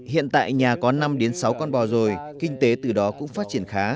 hiện tại nhà có năm đến sáu con bò rồi kinh tế từ đó cũng phát triển khá